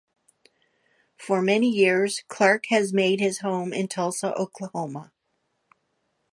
For many years Clark has made his home in Tulsa, Oklahoma.